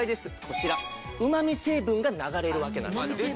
こちらうまみ成分が流れるわけなんですよ。